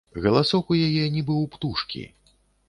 Галасок у яе, нібы ў птушкі.